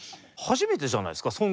初めてじゃないですか？